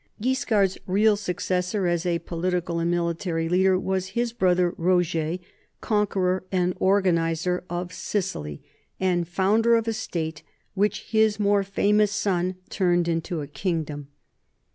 Guiscard's real successor as a political and military leader was his brother Roger, conqueror and organizer of Sicily and founder of a state which his more famous son turned into a kingdom.